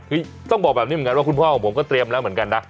คือต้องบอกแบบนี้เหมือนกันว่าคุณพ่อของผมก็เตรียมแล้วเหมือนกันนะ